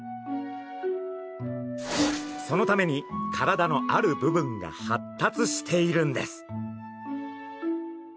そのために体のある部分が発達しているんです。